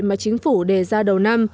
mà chính phủ đề ra đầu năm